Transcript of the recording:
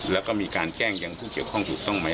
แล้วก็มีการแจ้งยังผู้เกี่ยวข้องถูกต้องไหม